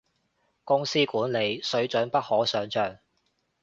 公司管理，水準不可想像